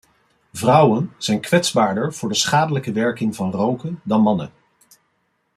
Vrouwen zijn kwetsbaarder voor de schadelijke werking van roken dan mannen.